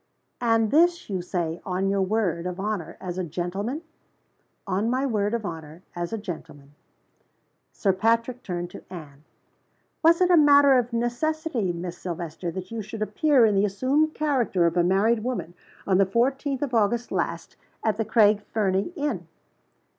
"And this you say, on your word of honor as a gentleman?" "On my word of honor as a gentleman." Sir Patrick turned to Anne. "Was it a matter of necessity, Miss Silvester, that you should appear in the assumed character of a married woman on the fourteenth of August last, at the Craig Fernie inn?"